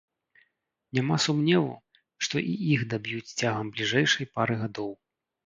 Няма сумневу, што і іх даб'юць цягам бліжэйшай пары гадоў.